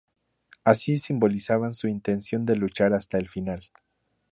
Así simbolizaban su intención de luchar hasta el final.